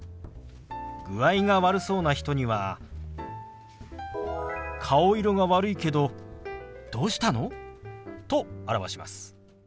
具合が悪そうな人には「顔色が悪いけどどうしたの？」と表します。